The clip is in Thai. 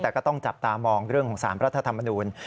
แต่ก็ต้องจับตามองเรื่องของ๓รัฐธรรมนูล